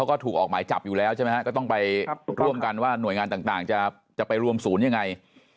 ก็ถูกออกหมายจับอยู่แล้วใช่ไหมฮะก็ต้องไปร่วมกันว่าหน่วยงานต่างจะไปรวมศูนย์ยังไง